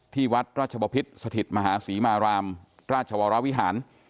ที่วัดราชบพิษสถิตมหาศรีมารามราชวรวิหาร